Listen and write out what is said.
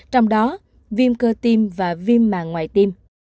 trong đó viêm cơ tiêm và viêm màng ngoài tiêm